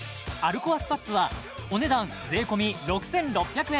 コアスパッツはお値段税込６６００円